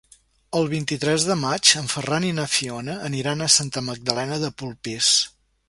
El vint-i-tres de maig en Ferran i na Fiona aniran a Santa Magdalena de Polpís.